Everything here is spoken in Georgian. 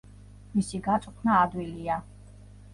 მისი გაწვრთნა ადვილია.